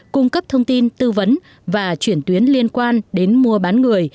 cung cấp thông tin tư vấn và chuyển tuyến liên quan đến mua bán người